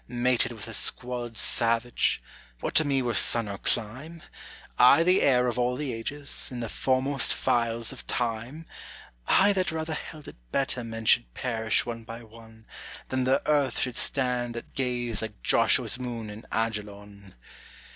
Mated with a squalid savage, what to me were sun or clime? I, the heir of all the ages, in the foremost files of time, I, that rather held it better men should perish one by one, Than that earth should stand at gaze like Joshua's moon in Ajalon!